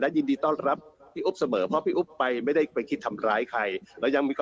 และยินดีต้อนรับพี่อุ๊บเสมอเพราะพี่อุ๊บไปไม่ได้ไปคิดทำร้ายใคร